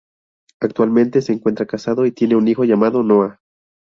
Actualmente se encuentra casado y tiene un hijo, llamado Noah.